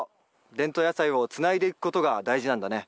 伝統野菜をつないでいくことが大事なんだね。